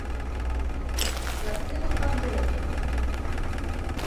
Газды тоҡандырығыҙ